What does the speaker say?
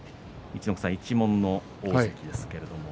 陸奥さん、一門の大関です。